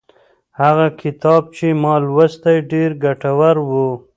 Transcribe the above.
هغه کتاب چې ما لوستلی ډېر ګټور و.